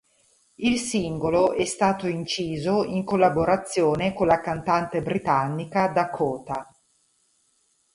Il singolo è stato inciso in collaborazione con la cantante britannica Dakota.